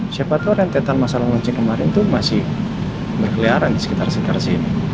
siapa tuh orang yang tentang masalah lonceng kemarin tuh masih berkeliaran di sekitar segitar sini